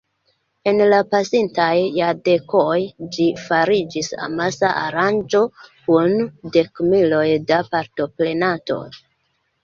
En la pasintaj jardekoj ĝi fariĝis amasa aranĝo kun dekmiloj da partoprenantoj.